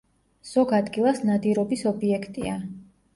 ზოგ ადგილას ნადირობის ობიექტია.